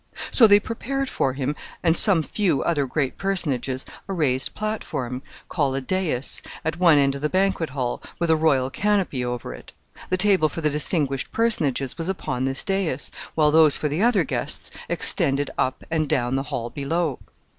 So they prepared for him and some few other great personages a raised platform, called a dais, at one end of the banquet hall, with a royal canopy over it. The table for the distinguished personages was upon this dais, while those for the other guests extended up and down the hall below.